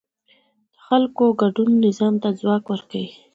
د خلکو ګډون نظام ته ځواک ورکوي